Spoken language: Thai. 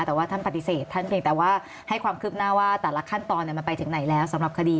แต่ว่าท่านปฏิเสธท่านเพียงแต่ว่าให้ความคืบหน้าว่าแต่ละขั้นตอนมันไปถึงไหนแล้วสำหรับคดี